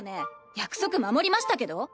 約束守りましたけど？